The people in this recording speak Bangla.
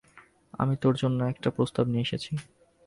আমি তোর জন্য একটা প্রস্তাব নিয়ে এসেছি।